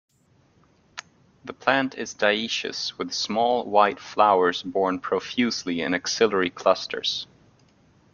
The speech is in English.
The plant is dioecious, with small white flowers borne profusely in axillary clusters.